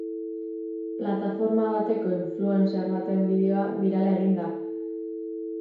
Plataforma bateko influencer baten bideoa birala egin da.